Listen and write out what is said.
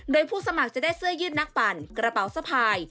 โดยผู้สมัครจะได้เสื้อยืดนักปั่นกระเป๋าสะพาย